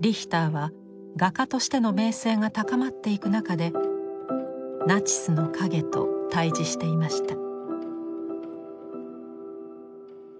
リヒターは画家としての名声が高まっていく中でナチスの影と対じしていました。